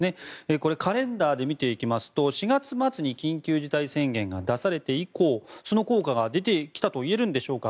これカレンダーで見ていきますと４月末に緊急事態宣言が出されて以降その効果が出てきたといえるんでしょうか。